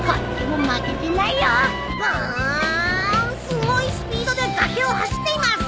すごいスピードで崖を走っています。